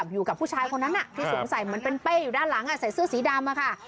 อยู่กับผู้ชายคนนั้นที่สวมใส่เหมือนเป็นเป้อยู่ด้านหลังใส่เสื้อสีดำค่ะ